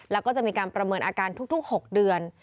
แล้วก็จะมีการประเมินอาการทุก๖เดือน